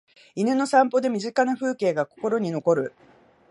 犬の散歩で身近な風景が心に残る